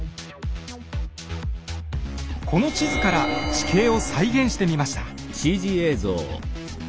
この地図から地形を再現してみました。